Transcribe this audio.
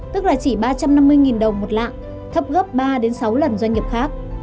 tức là chỉ ba trăm năm mươi đồng một lạng thấp gấp ba sáu lần doanh nghiệp khác